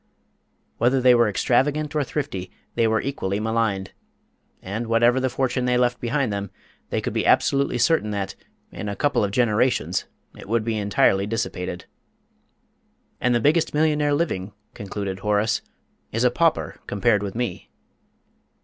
Whether they were extravagant or thrifty, they were equally maligned, and, whatever the fortune they left behind them, they could be absolutely certain that, in a couple of generations, it would be entirely dissipated. "And the biggest millionaire living," concluded Horace, "is a pauper compared with me!"